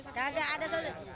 nggak ada sosialisasi